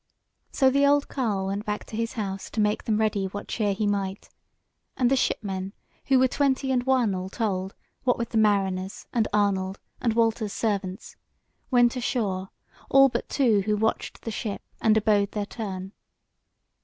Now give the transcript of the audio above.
So the old carle went back to his house to make them ready what cheer he might, and the shipmen, who were twenty and one, all told, what with the mariners and Arnold and Walter's servants, went ashore, all but two who watched the ship and abode their turn.